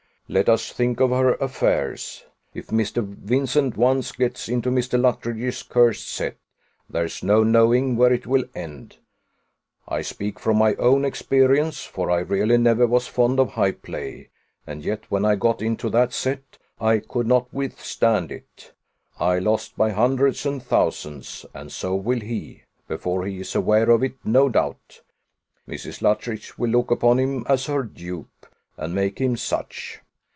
Let us think of her affairs. If Mr. Vincent once gets into Mrs. Luttridge's cursed set, there's no knowing where it will end. I speak from my own experience, for I really never was fond of high play; and yet, when I got into that set, I could not withstand it. I lost by hundreds and thousands; and so will he, before he is aware of it, no doubt. Mrs. Luttridge will look upon him as her dupe, and make him such.